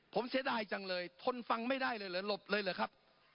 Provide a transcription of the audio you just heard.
ผมเสียดายจังเลยทนฟังไม่ได้เลยเหรอหลบเลยเหรอครับ